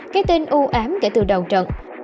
cái tên ưu ám kể từ đầu trận